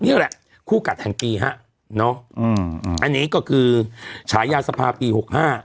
นี่แหละคู่กัดแห่งปีฮะเนาะอืมอันนี้ก็คือฉายาสภาปีหกห้า